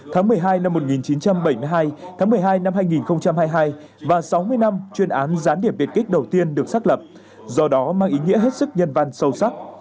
tháng một mươi hai năm một nghìn chín trăm bảy mươi hai tháng một mươi hai năm hai nghìn hai mươi hai và sáu mươi năm chuyên án gián điệp biệt kích đầu tiên được xác lập do đó mang ý nghĩa hết sức nhân văn sâu sắc